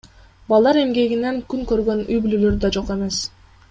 Балдар эмгегинен күн көргөн үй бүлөлөр да жок эмес.